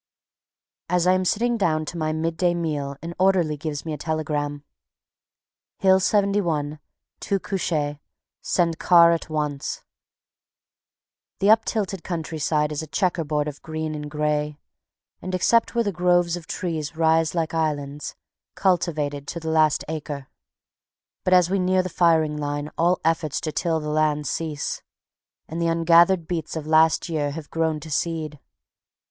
_ As I am sitting down to my midday meal an orderly gives me a telegram: Hill 71. Two couchés. Send car at once. The uptilted country side is a checker board of green and gray, and, except where groves of trees rise like islands, cultivated to the last acre. But as we near the firing line all efforts to till the land cease, and the ungathered beets of last year have grown to seed.